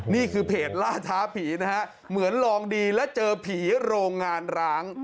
นี่คือเพจล่าท้าผีนะฮะเหมือนลองดีและเจอผีโรงงานร้าง